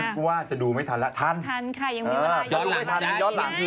ไปดูในไมค์ไทยรัฐก็ได้